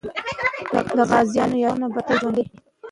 د غازیانو یادونه به تل ژوندۍ وي.